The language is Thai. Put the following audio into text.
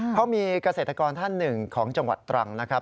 เพราะมีเกษตรกรท่านหนึ่งของจังหวัดตรังนะครับ